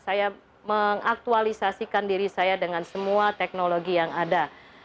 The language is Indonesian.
saya mengaktualisasikan diri saya dengan semua teknologi yang ada